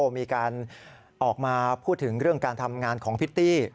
มีการออกมาพูดถึงเรื่องการทำงานของพิตตี้